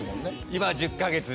今１０か月で。